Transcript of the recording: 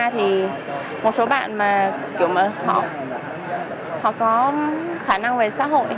thì một số bạn mà kiểu họ có khả năng về xã hội